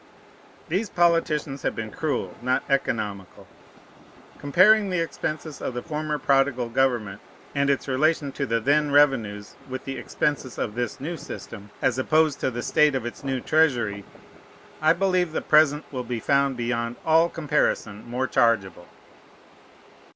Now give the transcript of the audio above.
These politicians have been cruel, not economical. Comparing the expenses of the former prodigal government and its relation to the then revenues with the expenses of this new system as opposed to the state of its new treasury, I believe the present will be found beyond all comparison more chargeable.